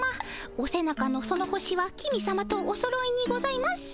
お背中のその星は公さまとおそろいにございます。